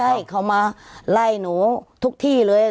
ใช่เขามาไล่หนูทุกที่เลย